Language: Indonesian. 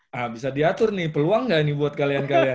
nah bisa diatur nih peluang gak ini buat kalian kalian